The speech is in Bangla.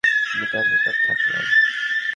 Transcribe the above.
আমি তার নিকট থাকলাম।